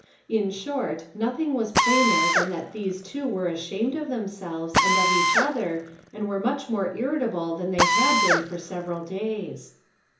In short, nothing was plainer than that these two were ashamed of themselves, and of each other, and were much more irritable than they had been for several days.